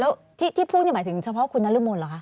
แล้วที่พูดนี่หมายถึงเฉพาะคุณอารมนต์หรือเปล่าคะ